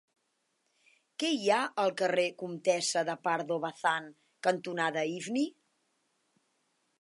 Què hi ha al carrer Comtessa de Pardo Bazán cantonada Ifni?